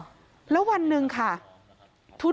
เป็นพระรูปนี้เหมือนเคี้ยวเหมือนกำลังทำปากขมิบท่องกระถาอะไรสักอย่าง